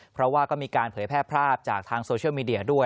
เพราะว่าก็มีการเผยแพร่ภาพจากทางโซเชียลมีเดียด้วย